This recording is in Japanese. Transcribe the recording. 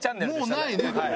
もうないね。